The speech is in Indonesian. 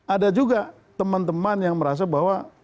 ada juga teman teman yang merasa bahwa